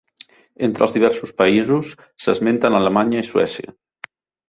Entre els diversos països, s'esmenten Alemanya i Suècia.